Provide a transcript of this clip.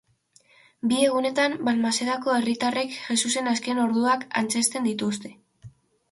Bi egunetan Balmasedako herritarrek Jesusen azken orduak antzezten dituzte.